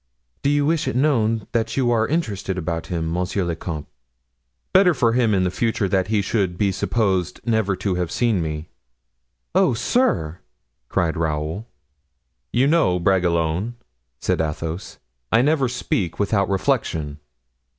"Do you wish it known that you are interested about him, monsieur le comte?" "Better for him in future that he should be supposed never to have seen me." "Oh, sir!" cried Raoul. "You know, Bragelonne," said Athos, "I never speak without reflection."